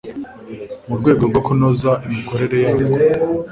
mu rwego rwo kunoza imikorere yarwo